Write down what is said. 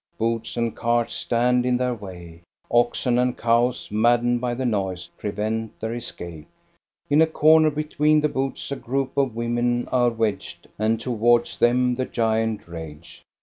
Booths and carts stand in their way ; oxen and cows, maddened by the noise, prevent their escape. In a comer between the booths a group of women are wedged, and towards them the giant ragcji.